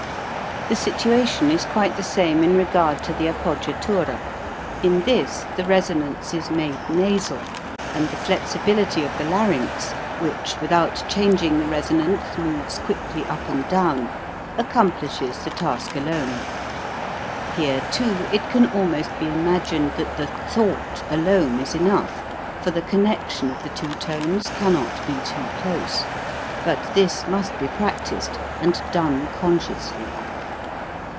The situation is quite the same in regard to the appoggiatura. In this the resonance is made nasal and the flexibility of the larynx, which, without changing the resonance, moves quickly up and down accomplishes VELOCITY 257 the task alone. Here, too, it can almost be imagined that the thought alone is enough, for the connection of the two tones cannot be too close. But this must be practised, and done consciously.